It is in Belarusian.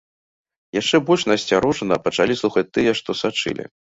Яшчэ больш насцярожана пачалі слухаць тыя, што сачылі.